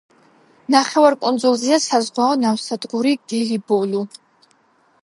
ნახევარკუნძულზეა საზღვაო ნავსადგური გელიბოლუ.